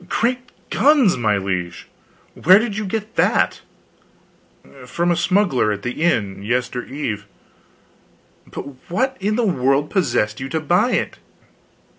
"Great guns, my liege, where did you get that?" "From a smuggler at the inn, yester eve." "What in the world possessed you to buy it?"